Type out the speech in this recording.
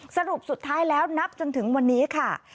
สรุปสุดท้ายแล้วนับจนถึงวันนี้ค่ะ